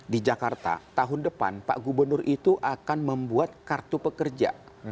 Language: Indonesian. di jakarta tahun depan pak gubernur itu akan membuat kartu pekerja